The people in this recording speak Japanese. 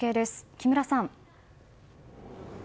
木村さん。